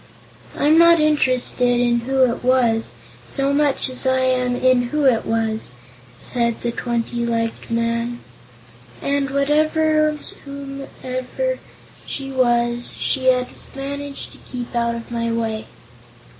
"I'm not interested in who it wasn't, so much as I am in who it was," said the twenty legged young man. "And, whatever or whomsoever she was, she has managed to keep out of my way."